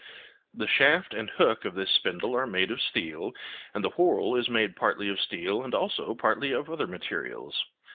The shaft and hook of this spindle are made of steel, and the whorl is made partly of steel and also partly of other materials.